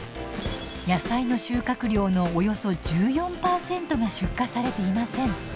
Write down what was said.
野菜の収穫量のおよそ１４％が出荷されていません。